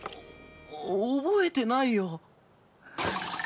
覚えてないよ。